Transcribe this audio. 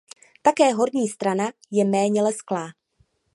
Také horní strana je méně lesklá.